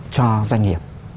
cho doanh nghiệp